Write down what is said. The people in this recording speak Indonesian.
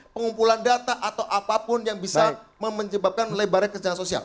pengumpulan data atau apapun yang bisa menyebabkan melebarnya kerjaan sosial